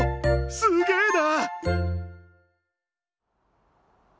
すげえな！